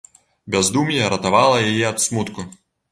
Бяздум'е ратавала яе ад смутку.